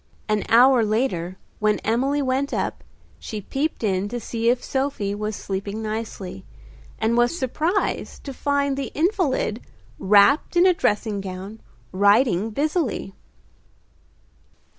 An hour later when Emily went up, she peeped in to see if Sophie was sleeping nicely, and was surprised to find the invalid wrapped in a dressing gown writing busily.